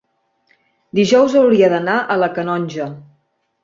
dijous hauria d'anar a la Canonja.